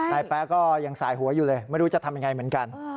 แป๊ะก็ยังสายหัวอยู่เลยไม่รู้จะทำยังไงเหมือนกัน